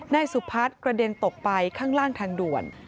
นายสุพัฒน์กระเด็นตกไปข้างล่างทางด่วน